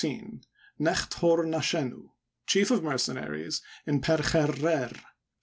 Necht'Hor nashenu, Chief of Mercenaries in Per Cher^Rer